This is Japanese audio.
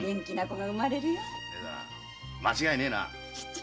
間違いねえな？